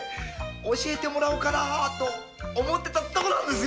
教えてもらおうかなと思ってたとこなんですよ。